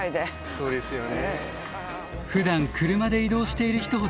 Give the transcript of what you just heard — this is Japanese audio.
そうですよね。